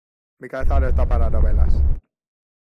Mi cabeza no estaba para novelas.